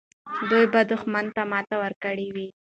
دوی به دښمن ته ماتې ورکړې وي.